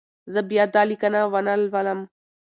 زه به بیا دا لیکنه ونه لولم.